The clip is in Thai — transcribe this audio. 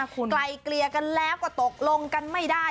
ไกลเกลี่ยกันแล้วก็ตกลงกันไม่ได้